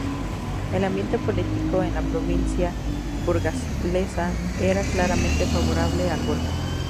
El ambiente político en la provincia burgalesa era claramente favorable al golpe.